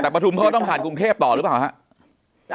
แต่ประทุมเขาต้องผ่านกรุงเทพต่อหรือเปล่าฮะ